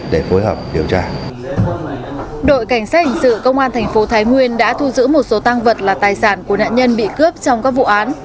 đội cảnh sát hình sự công an thành phố thái nguyên đã thu giữ một số tăng vật là tài sản của nạn nhân bị cướp trong các vụ án